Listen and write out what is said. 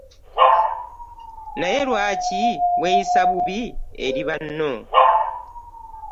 Naye lwaki weyisa bubi eri banno?